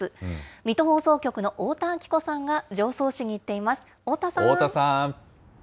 水戸放送局の太田晶子さんが常総市に行っています。